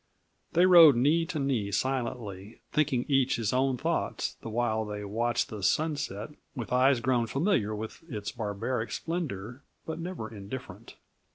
They rode knee to knee silently, thinking each his own thoughts the while they watched the sunset with eyes grown familiar with its barbaric splendor, but never indifferent.